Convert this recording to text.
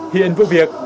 hiện vụ việc